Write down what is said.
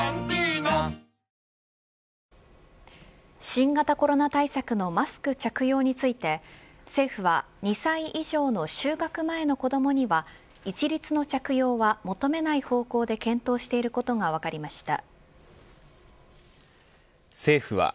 ＪＴ新型コロナ対策のマスク着用について政府は、２歳以上の就学前の子どもには一律の着用は求めない方向で検討していることが分かりました。